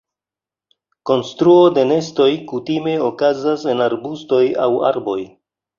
Konstruo de nestoj kutime okazas en arbustoj aŭ arboj.